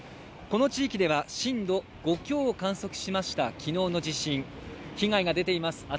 この地域では震度５強を観測しました昨日の地震、被害が出ています。